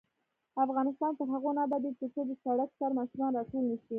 افغانستان تر هغو نه ابادیږي، ترڅو د سړک سر ماشومان راټول نشي.